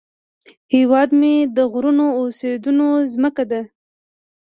هیواد مې د غرونو او سیندونو زمکه ده